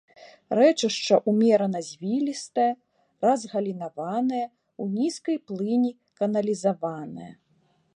Рэчышча ўмерана звілістае, разгалінаванае, у нізкай плыні каналізаванае.